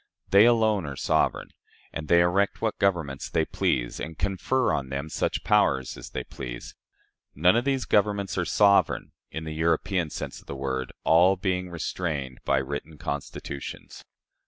They alone are sovereign, and they erect what governments they please, and confer on them such powers as they please. None of these governments are sovereign, in the European sense of the word, all being restrained by written constitutions."